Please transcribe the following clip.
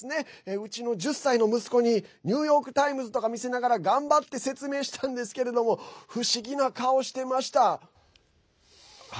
うちの１０歳の息子にニューヨーク・タイムズとか見せながら頑張って説明したんですけれども不思議な顔してました。